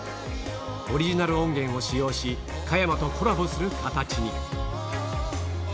オリジナル音源を使用し、加山とコラボする形に。